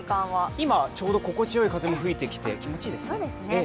今、ちょうど心地よい風も吹いてきて気持ちいいですね。